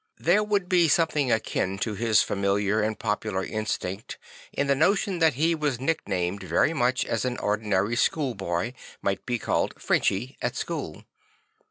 There would be something akin to his familiar and popular instinct in the notion that he was nicknamed very much as an ordinary schoolboy might be called II Frenchy II at schoo1.